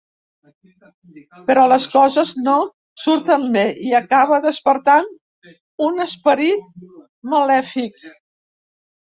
Però les coses no surten bé i acaba despertant un esperit malèfic.